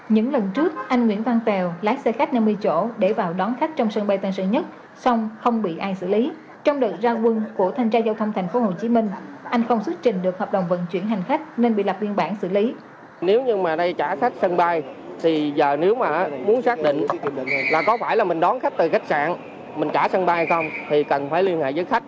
những lần trước anh nguyễn văn tèo lái xe khách năm mươi chỗ để vào đón khách trong sân bay tân sơ nhất